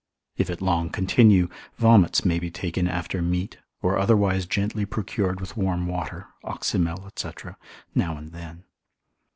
If it long continue, vomits may be taken after meat, or otherwise gently procured with warm water, oxymel, &c., now and then.